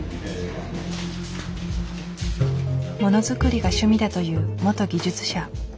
ものづくりが趣味だという元技術者。